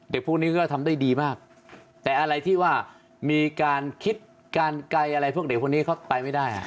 พวกนี้ก็ทำได้ดีมากแต่อะไรที่ว่ามีการคิดการไกลอะไรพวกเด็กพวกนี้เขาไปไม่ได้